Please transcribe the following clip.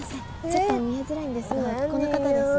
ちょっと見えづらいんですがこの方です。